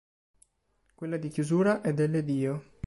Quella di chiusura è delle Dio.